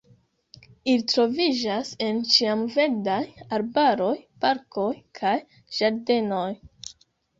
Ili troviĝas en ĉiamverdaj arbaroj, parkoj kaj ĝardenoj.